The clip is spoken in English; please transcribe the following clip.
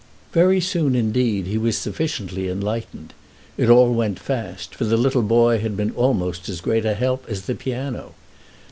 Very soon, indeed, he was sufficiently enlightened; it all went fast, for the little boy had been almost as great a help as the piano.